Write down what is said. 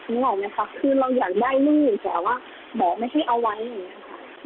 นึกออกไหมคะคือเราอยากได้หนี้แต่ว่าหมอไม่ให้เอาไว้อย่างนี้ค่ะ